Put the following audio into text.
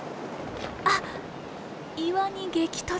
あっ岩に激突！